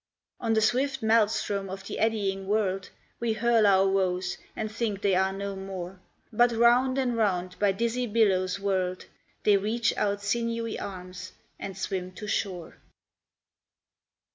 On the swift maelstrom of the eddying world We hurl our woes, and think they are no more. But round and round by dizzy billows whirled, They reach out sinewy arms and swim to shore.